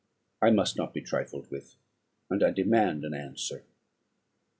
I must not be trifled with: and I demand an answer.